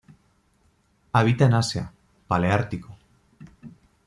Habita en Asia, Paleártico.